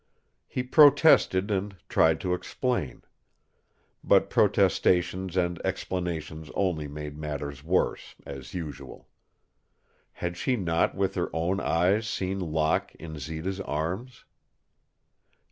He protested and tried to explain. But protestations and explanations only made matters worse, as usual. Had she not with her own eyes seen Locke in Zita's arms?